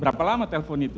berapa lama telpon itu